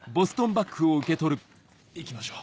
行きましょう。